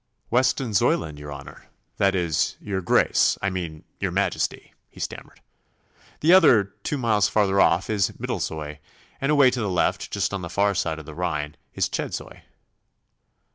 'Westonzoyland, your Honour that is, your Grace I mean, your Majesty,' he stammered. 'The other, two miles farther off, is Middlezoy, and away to the left, just on the far side of the rhine, is Chedzoy.